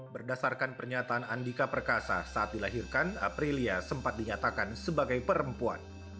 berdasarkan pernyataan andika perkasa saat dilahirkan aprilia sempat dinyatakan sebagai perempuan